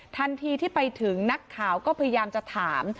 ทันทีที่ไปถึงนักข่าวก็พยายามจะถาม